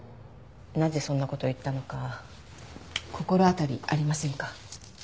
なぜそんな事を言ったのか心当たりありませんか？